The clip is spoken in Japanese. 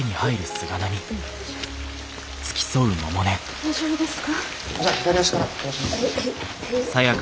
大丈夫ですか？